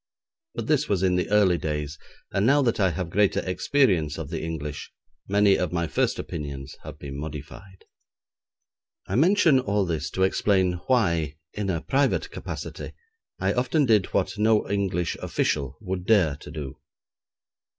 But this was in the early days, and now that I have greater experience of the English, many of my first opinions have been modified. I mention all this to explain why, in a private capacity, I often did what no English official would dare to do.